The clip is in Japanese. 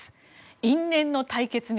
因縁の対決に